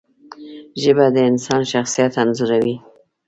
ژبه د انسان شخصیت انځوروي